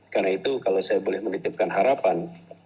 karena itu kalau saya boleh menitipkan harapan